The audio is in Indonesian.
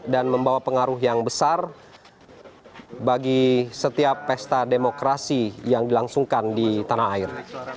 dan membawa pengaruh yang besar bagi setiap pesta demokrasi yang dilangsungkan di tanah air